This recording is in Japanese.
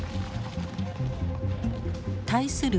対する